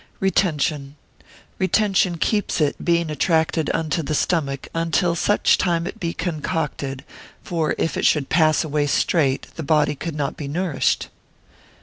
Retention.] Retention keeps it, being attracted unto the stomach, until such time it be concocted; for if it should pass away straight, the body could not be nourished.